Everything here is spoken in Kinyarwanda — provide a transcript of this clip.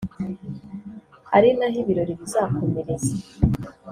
ari naho ibirori bizakomereza